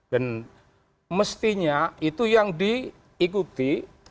dan mestinya itu yang diikuti